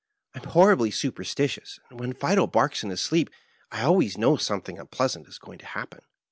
Pm horribly superstitious, and when Fido barks in his sleep I always know some thing unpleasant is going to happen."